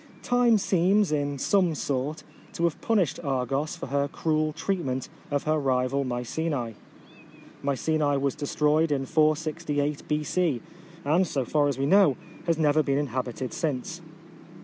Time seems, in some sort, to have punished Argos for her cruel treatment of her rival Mycenae. Mycenae was destroyed in 4G8 B.C., and, so far as we know, has never been inhabited since.